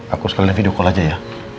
aku sekalian video call aja ya